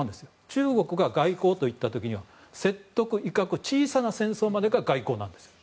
中国が外交といった時には説得、威嚇、小さな戦争までが外交なんですよ。